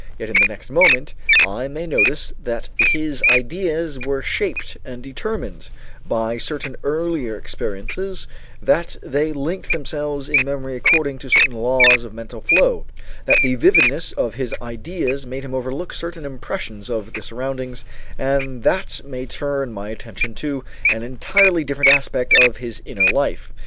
Yet in the next moment, I may notice that his ideas were shaped and determined by certain earlier experiences; that they linked themselves in memory according to certain laws of mental flow; that the vividness of his ideas made him overlook certain impressions of the surroundings; and that may turn my attention to an entirely different aspect of his inner life.